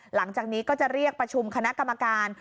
หลังจากนี้ก็จะเรียกประชุมคณะกรรมการ